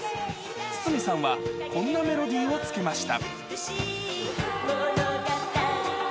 筒美さんはこんなメロディーをつけました。